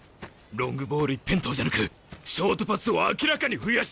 ロングボール一辺倒じゃなくショートパスを明らかに増やしてきた。